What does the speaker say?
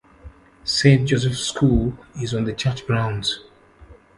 Saint Joseph's school is on the church grounds.